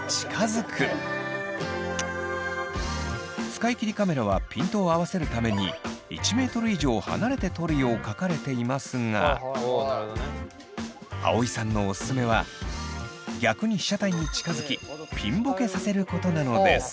使い切りカメラはピントを合わせるために１ｍ以上離れて撮るよう書かれていますが葵さんのオススメは逆に被写体に近づきピンボケさせることなのです。